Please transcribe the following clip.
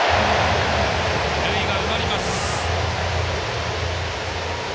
塁が埋まります。